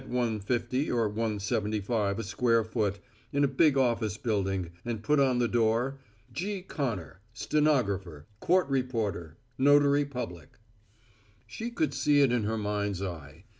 50 or $1.75 a square foot, in a big office building and put on the door G. CONNOR STENOGRAPHER COURT REPORTER NOTARY PUBLIC She could see it in her mind's eye.